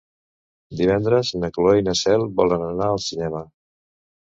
Divendres na Cloè i na Cel volen anar al cinema.